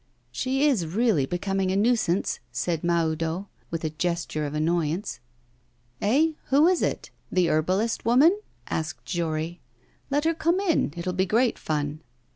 'She is really becoming a nuisance,' said Mahoudeau, with a gesture of annoyance. 'Eh? Who is it? The herbalist woman?' asked Jory. 'Let her come in; it will be great fun.